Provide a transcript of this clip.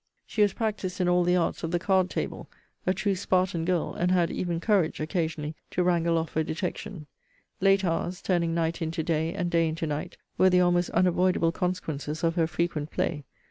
She was practised in all the arts of the card table: a true Spartan girl; and had even courage, occasionally, to wrangle off a detection. Late hours (turning night into day, and day into night) were the almost unavoidable consequences of her frequent play.